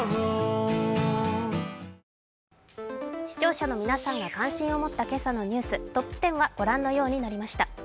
視聴者の皆さんが関心を持った今朝のニュース、トップ１０はご覧のようになりました。